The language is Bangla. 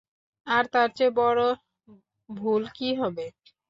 আর তার চেয়ে বড় ভুল কী হবে?